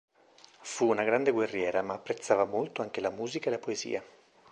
Fu una grande guerriera, ma apprezzava molto anche la musica e la poesia.